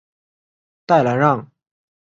代兰让。